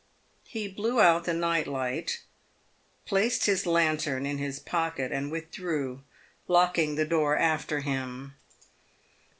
He blow out the night light, placed his lantern in his pocket, and withdrew, locking the door after him.